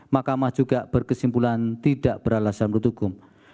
mahkamah juga berkesimpulan tidak beralasan menurut hukum